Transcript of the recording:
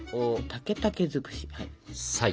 竹竹尽くし。